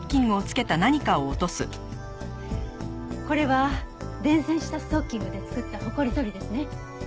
これは伝線したストッキングで作ったホコリ取りですね。